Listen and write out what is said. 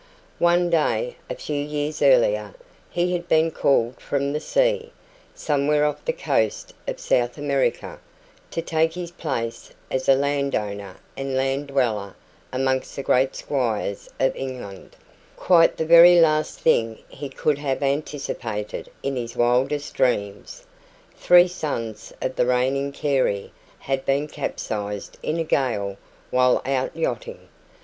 One day, a few years earlier, he had been called from the sea somewhere off the coast of South America to take his place as a land owner and land dweller amongst the great squires of England; quite the very last thing he could have anticipated in his wildest dreams. Three sons of the reigning Carey had been capsized in a gale while out yachting.